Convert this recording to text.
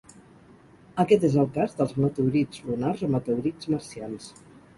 Aquest és el cas dels meteorits lunars o meteorits marcians.